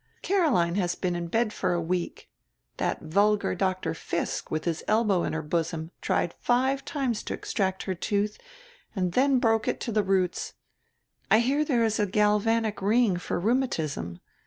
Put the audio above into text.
"Caroline has been in bed for a week. That vulgar Dr. Fisk, with his elbow in her bosom, tried five times to extract her tooth, and then broke it to the roots. I hear there is a galvanic ring for rheumatism.